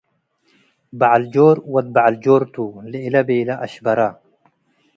በዐል ጆር ወድ በዐል ጆርቱ - ለእለ ቤለ አሽበራ